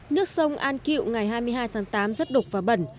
nước sông an kiệu ngày hai mươi hai tháng tám rất đục và bẩn